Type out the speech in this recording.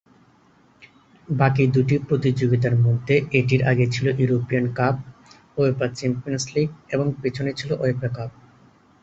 বাকী দুটি প্রতিযোগিতার মধ্যে এটির আগে ছিল ইউরোপীয়ান কাপ/উয়েফা চ্যাম্পিয়নস লীগ এবং পিছনে ছিল উয়েফা কাপ।